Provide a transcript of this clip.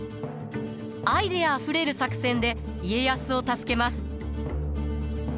アイデアあふれる作戦で家康を助けます。